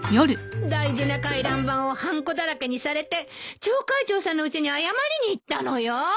大事な回覧板をはんこだらけにされて町会長さんのうちに謝りに行ったのよ。